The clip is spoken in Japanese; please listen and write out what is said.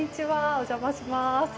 お邪魔します。